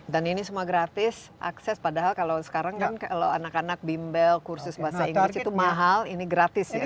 dan ini semua gratis akses padahal kalau sekarang kan kalau anak anak bimbel kursus bahasa inggris itu mahal ini gratis ya semua